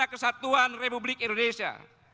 dan kesatuan republik indonesia